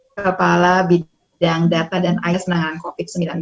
kepala bidang data dan ayes menangan covid sembilan belas